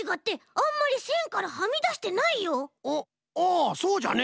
あそうじゃねえ。